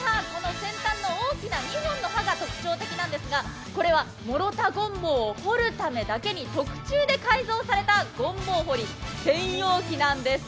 先端の大きな２本の刃が特徴的なんですが、これは諸田ごんぼうを掘るためだけに、特注で改造されたごんぼう掘り専用機なんです。